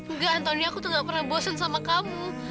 enggak antoni aku tuh gak pernah bosen sama kamu